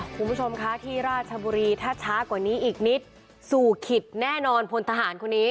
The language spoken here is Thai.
คุณผู้ชมคะที่ราชบุรีถ้าช้ากว่านี้อีกนิดสู่ขิตแน่นอนพลทหารคนนี้